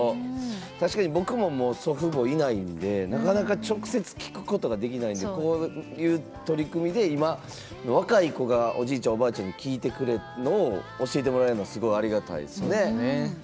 確かに僕ももう祖父母いないんでなかなか直接聞くことができないのでこういう取り組みで今の若い子がおじいちゃんおばあちゃんに聞いてくれるのを教えてもらえるのはすごいありがたいですね。